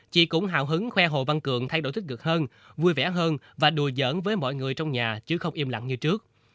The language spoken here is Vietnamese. chị cũng hào hứng khoe hồ văn cường thay đổi tích cực hơn vui vẻ hơn và đùa giởn với mọi người trong nhà chứ không im lặng như trước